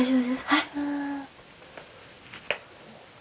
はい。